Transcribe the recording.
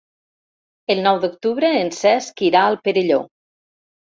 El nou d'octubre en Cesc irà al Perelló.